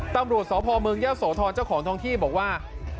ตำรวจสพเมืองยะโสธรเจ้าของท้องที่บอกว่า